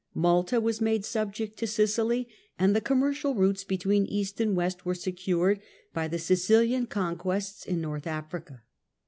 Malta was made subject to Sicily, and the commercial routes between East and West were secured by the Sicilian conquests in Northern Africa.